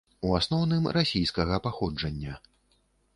У асноўным, расійскага паходжання.